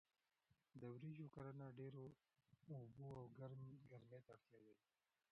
د وریژو کرنه ډیرو اوبو او ګرمۍ ته اړتیا لري.